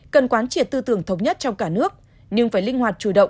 cần quán triệt tư tưởng thống nhất trong cả nước nhưng phải linh hoạt chủ động